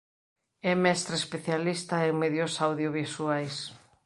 É mestre especialista en medios audiovisuais.